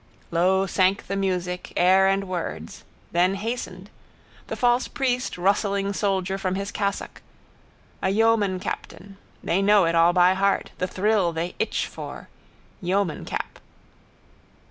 Low sank the music, air and words. Then hastened. The false priest rustling soldier from his cassock. A yeoman captain. They know it all by heart. The thrill they itch for. Yeoman cap.